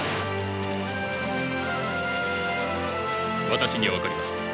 私には分かります。